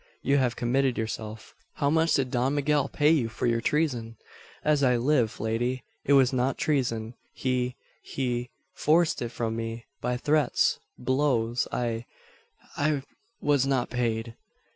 You have committed yourself. How much did Don Miguel pay you for your treason?" "As I live, lady, it was not treason. He he forced it from me by threats blows. I I was not paid."